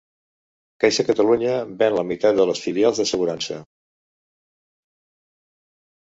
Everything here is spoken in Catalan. Caixa Catalunya ven la meitat de les filials d'assegurança.